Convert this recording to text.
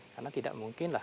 karena tidak mungkin lah